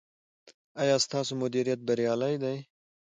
ایا ستاسو مدیریت بریالی دی؟